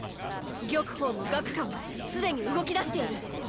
玉鳳も楽華もすでに動きだしている！